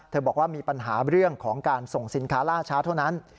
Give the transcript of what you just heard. บอกว่ามีปัญหาเรื่องของการส่งสินค้าล่าช้าเท่านั้น